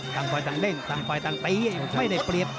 ตั้งฝ่ายตั้งเตรียมตั้งฝ่ายตั้งตีไม่ได้เปรียบ